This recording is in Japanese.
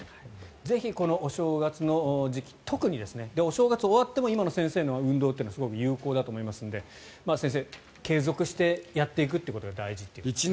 ぜひこのお正月の時期、特にお正月が終わっても今の先生の運動はすごく有効だと思いますので先生、継続してやっていくことが大事ということですね。